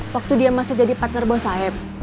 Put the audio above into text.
waktu dia masih jadi partner bos saya